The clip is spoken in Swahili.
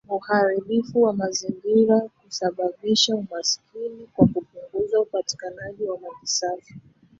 Uharibifu wa mazingira husababisha umaskini kwa kupunguza upatikanaji wa maji safi